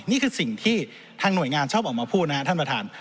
นี่คือสิ่งที่ทางหน่วยงานชอบออกมาพูดนะครับท่านประธาน